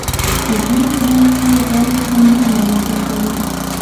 د غرونو په منځ کې غارې پاملرنه راجلبوي.